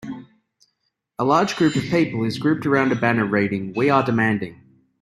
A large group of people is grouped around a banner reading We are demanding .